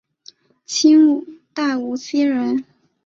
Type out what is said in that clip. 清代无锡人。